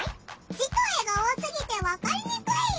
字と絵が多すぎてわかりにくいよ。